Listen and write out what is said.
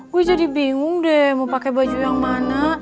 gue jadi bingung deh mau pakai baju yang mana